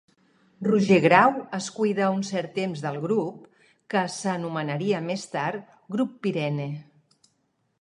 Roger Grau es cuidà un cert temps del Grup, que s'anomenaria més tard Grup Pyrene.